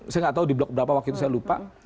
saya nggak tahu di blok berapa waktu itu saya lupa